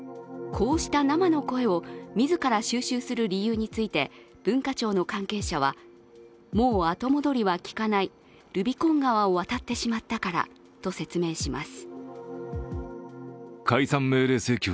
こうした生の声を自ら収集する理由について、文化庁の関係者はもう後戻りはきかない、ルビコン川を渡ってしまったからと説明しました。